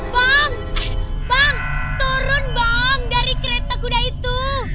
bang bang turun bang dari kereta kuda itu